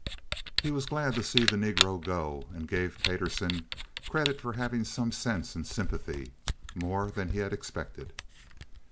He was glad to see the negro go, and gave Payderson credit for having some sense and sympathy—more than he had expected.